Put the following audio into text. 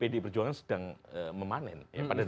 pd perjuangan sedang memanen